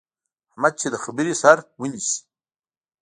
احمد چې د خبرې سر ونیسي،